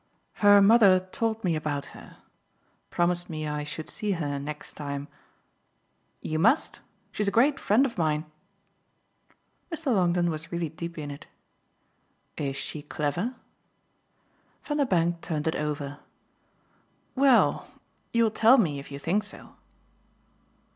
"Her mother told me about her promised me I should see her next time." "You must she's a great friend of mine." Mr. Longdon was really deep in it. "Is she clever?" Vanderbank turned it over. "Well, you'll tell me if you think so."